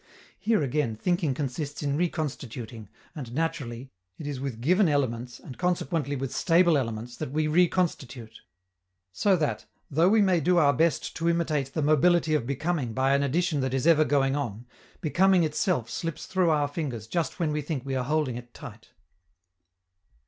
Here again, thinking consists in reconstituting, and, naturally, it is with given elements, and consequently with stable elements, that we reconstitute. So that, though we may do our best to imitate the mobility of becoming by an addition that is ever going on, becoming itself slips through our fingers just when we think we are holding it tight.